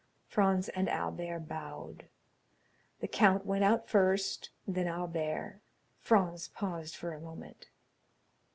Franz and Albert bowed. The count went out first, then Albert. Franz paused for a moment.